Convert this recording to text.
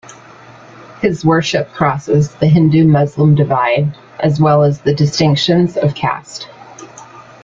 His worship crosses the Hindu-Muslim divide as well as the distinctions of caste.